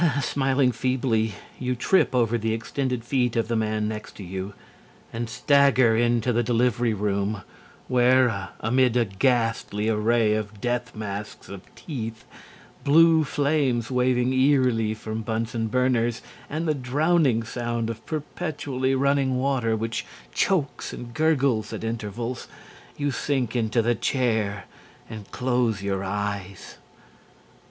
Smiling feebly, you trip over the extended feet of the man next to you, and stagger into the delivery room, where, amid a ghastly array of death masks of teeth, blue flames waving eerily from Bunsen burners, and the drowning sound of perpetually running water which chokes and gurgles at intervals, you sink into the chair and close your eyes.